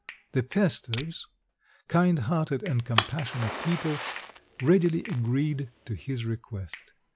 The Pestovs, kind hearted and compassionate people, readily agreed to his request.